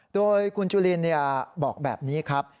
โดยคุณจุลินบอกแบบนี้ครับ